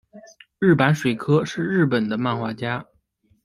日坂水柯是日本的漫画家。